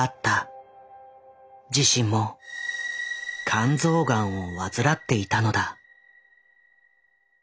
自身も肝臓ガンを患っていたのだ。